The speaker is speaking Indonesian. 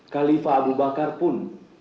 kalifah abu bakar pun